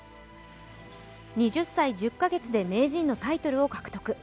２０歳１０か月で名人のタイトルを獲得。